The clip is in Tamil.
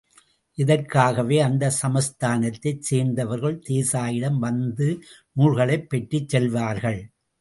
இதற்காகவே, அந்த சமஸ்தானத்தைச் சேர்ந்தவர்கள் தேசாயிடம் வந்து நூல்களைப் பெற்றுச் செல்வார்கள்.